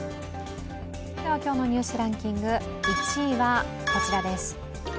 今日の「ニュースランキング」１位はこちらです。